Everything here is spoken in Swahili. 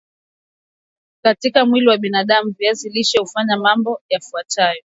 katika mwili wa binadam viazi lishe hufanya mambo yafuatayao